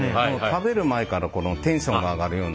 食べる前からテンションが上がるような。